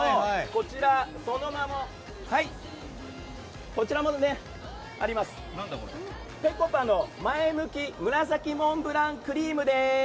こちら、その名もぺこぱの前向き紫モンブランクリームです。